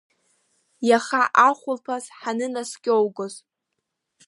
Иаха ахәылԥаз ҳанынаскьоугоз…